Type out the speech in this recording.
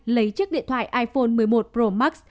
lấy chiếc điện thoại iphone một mươi một pro max